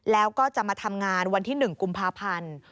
แล้วก็จะมาทำงานวันที่๑กุมภาพันธ์